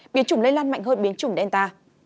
biến chủng lây lan mạnh hơn biến chủng delta